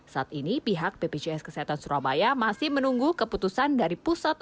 saat ini pihak bpjs kesehatan surabaya masih menunggu keputusan dari pusat